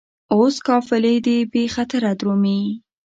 اوس قافلې دي بې خطره درومي